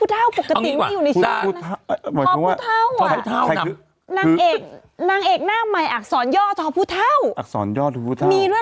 ต้องมีทพุเท่าอยู่ในชื่อแน่นอนเลยค่ะเดี๋ยว